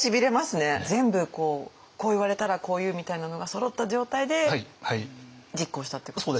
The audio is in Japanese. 全部こう言われたらこう言うみたいなのがそろった状態で実行したってことですか。